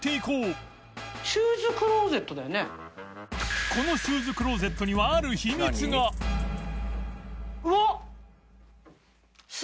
磴海シューズクローゼットにはある秘密が大島）